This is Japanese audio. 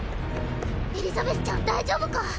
エリザベスちゃん大丈夫か？